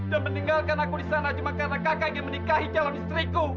dan meninggalkan aku di sana cuma karena kakak yang menikahi calon istriku